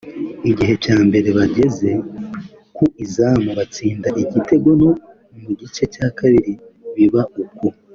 Igice cya mbere bageze ku izamu batsinda igitego no mu gice cya kabiri biba uko